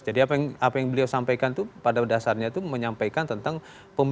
jadi apa yang beliau sampaikan itu pada dasarnya itu menyampaikan tentang pemilu itu sesuai dengan perintah